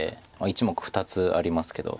１目２つありますけど。